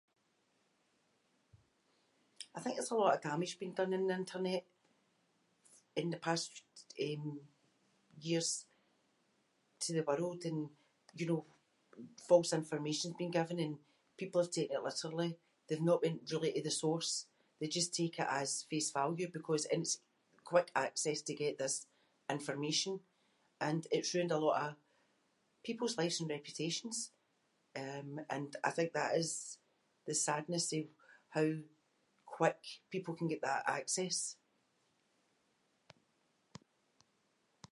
I think there’s a lot of damage being done on the internet in the past um years to the world and, you know, false information’s been given and people have taken it literally. They’ve not went really to the source. They just take it as face value because- and it’s quick access to get this information and it’s ruined a lot of people’s lives and reputations. Um and I think that is the sadness of how quick people can get that access.